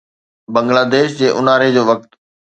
بنگلاديش جي اونهاري جو وقت